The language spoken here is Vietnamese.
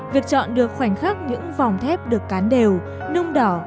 việc chọn được khoảnh khắc những vòng thép được cán đều nung đỏ